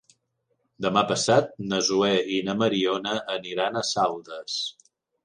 Demà passat na Zoè i na Mariona aniran a Saldes.